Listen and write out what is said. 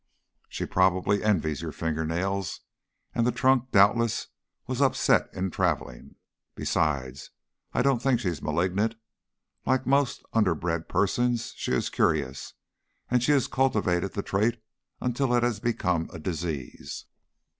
"She probably envies your finger nails, and the trunk, doubtless, was upset in travelling. Besides, I don't think she's malignant. Like most underbred persons, she is curious, and she has cultivated the trait until it has become a disease."